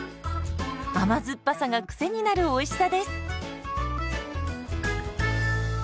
甘酸っぱさがクセになるおいしさです。